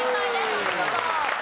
お見事！